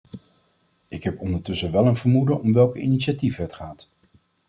Ik heb ondertussen wel een vermoeden om welke initiatieven het gaat.